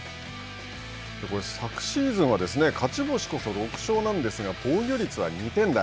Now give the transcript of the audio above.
昨シーズンは、勝ち星こそ、６勝なんですが、防御率は２点台。